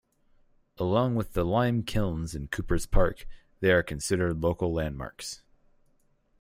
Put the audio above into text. Along with the lime kilns in Coopers Park, they are considered local landmarks.